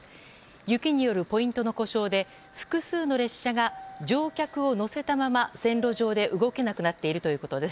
雪によるポイントの故障で複数の列車が乗客を乗せたまま線路上で動けなくなっているということです。